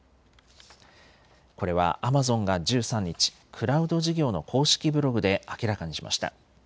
これはアマゾンが１３日、クラウド事業の公式ブログで明らかにしました。